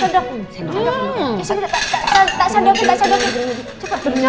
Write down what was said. ya sudah tak sedoknya tak sedoknya